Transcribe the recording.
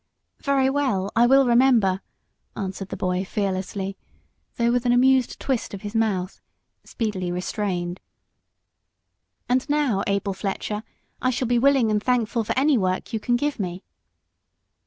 "Very well, I will remember," answered the boy fearlessly, though with an amused twist of his mouth, speedily restrained. "And now, Abel Fletcher, I shall be willing and thankful for any work you can give me."